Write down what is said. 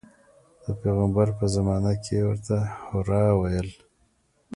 د پیغمبر په زمانه کې یې ورته حرا ویل.